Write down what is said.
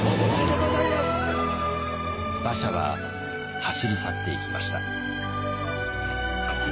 馬車は走り去っていきました。